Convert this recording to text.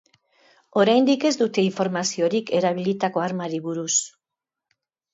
Oraindik ez dute informaziorik erabilitako armari buruz.